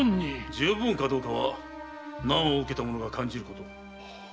充分かどうかは難を受けた者が感じること。